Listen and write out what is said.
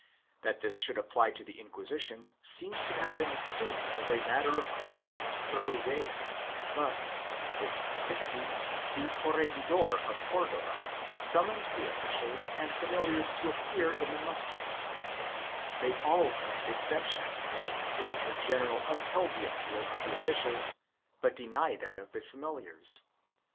3 That this should apply to the Inquisition seems to have been assumed as a matter of course in its early days but, in 1560, the corregidor of Cordova sum moned the officials and familiars to appear in the musters; they all claimed exemption, when the inquisitor general upheld the appeal of the officials but denied that of the familiars.